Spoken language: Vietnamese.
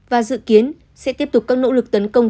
và dự kiến sẽ tiếp tục các nỗ lực tấn công